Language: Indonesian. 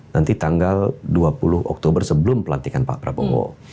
nanti tanggal dua puluh oktober sebelum pelantikan pak prabowo